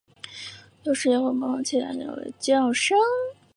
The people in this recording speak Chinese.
有时也会模仿其他鸟类的叫声。